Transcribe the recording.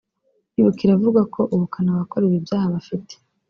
Ibuka iravuga ko ubukana abakora ibi byaha bafite